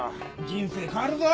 人生変わるぞ。